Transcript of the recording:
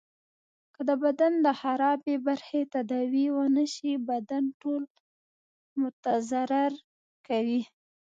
که د بدن د خرابي برخی تداوي ونه سي بدن ټول متضرر کوي.